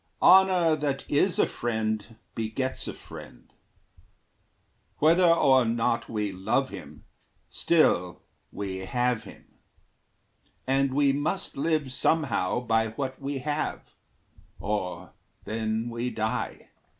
Honor that is a friend begets a friend. Whether or not we love him, still we have him; And we must live somehow by what we have, Or then we die.